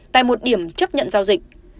tại một địa chỉ